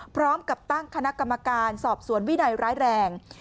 พร้อมกับตั้งคณะกรรมการสอบสวนวินัยร้ายแรง